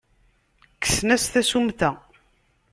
Kksen-as tasummta.